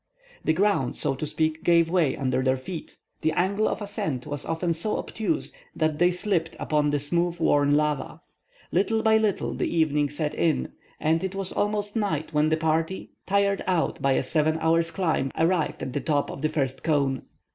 The ground, so to speak, gave way under their feet. The angle of ascent was often so obtuse that they slipped upon the smooth worn lava. Little by little the evening set in, and it was almost night when the party, tired out by a seven hours' climb, arrived at the top of the first cone.